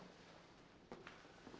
gak ada apa apa